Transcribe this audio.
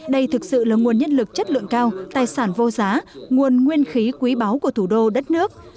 đây thực sự là nguồn nhân lực chất lượng cao tài sản vô giá nguồn nguyên khí quý báu của thủ đô đất nước